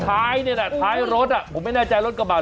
ไอ้ท้ายรถผมไม่แน่ใจรถกระบาด